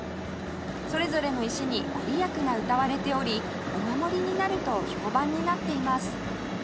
それぞれの石に御利益がうたわれておりお守りになると評判になっています